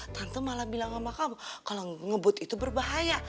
tante malah bilang sama kamu kalau ngebut itu berbahaya